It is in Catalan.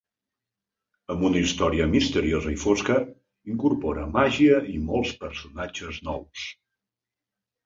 Amb una història misteriosa i fosca, incorpora màgia i molts personatges nous.